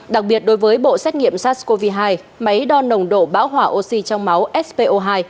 đặc biệt đối với bộ xét nghiệm sars cov hai máy đo nồng độ bão hỏa oxy trong máu spo hai